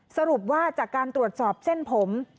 สรุปว่าจากการตรวจสอบเส้นผม